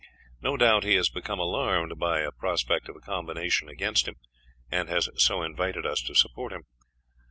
No doubt he has become alarmed by a prospect of a combination against him, and has so invited us to support him.